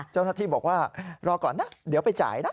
เจ้าหน้าที่บอกว่ารอก่อนนะเดี๋ยวไปจ่ายนะ